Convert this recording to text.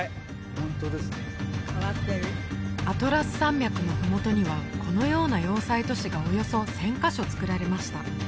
アトラス山脈の麓にはこのような要塞都市がおよそ１０００カ所つくられました